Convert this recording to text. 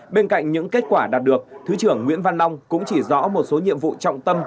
bên cạnh những kết quả đạt được thứ trưởng nguyễn văn long cũng chỉ rõ một số nhiệm vụ trọng tâm